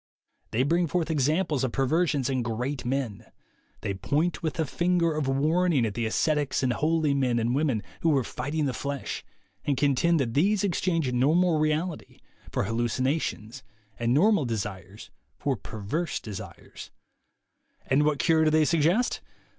They bring forth examples of perversions in great men. They point with a finger of warning at the ascetics and holy men and women who were fighting the flesh, and contend that these exchanged normal reality for hallucinations, and normal desires for perverse desires. And what cure do they suggest?